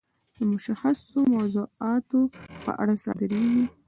دا د مشخصو موضوعاتو په اړه صادریږي.